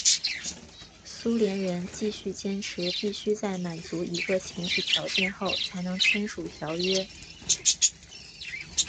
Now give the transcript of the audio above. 苏联人继续坚持必须在满足一个前提条件后才能签署条约。